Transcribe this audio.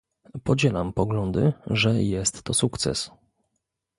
Podzielam poglądy, że jest to sukces